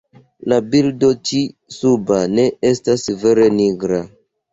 La bildo ĉi suba ne estas vere nigra.